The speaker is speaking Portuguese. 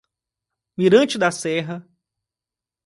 Mirante da Serra